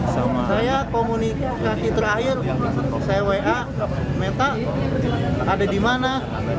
saya komunikasi terakhir saya wa meta ada di mana